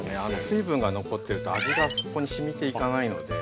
水分が残ってると味がそこにしみていかないので。